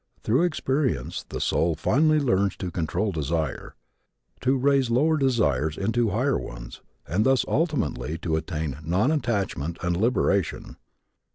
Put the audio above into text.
Through experience the soul finally learns to control desire, to raise lower desires into higher ones and thus ultimately to attain non attachment and liberation.